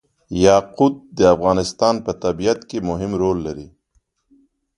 یاقوت د افغانستان په طبیعت کې مهم رول لري.